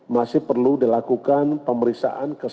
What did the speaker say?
masih perlu dilakukan di gedung pusat edukasi antikorupsi